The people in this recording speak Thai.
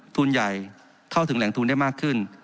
ทุนใหญ่เข้าถึงแหล่งทุนได้มากขึ้น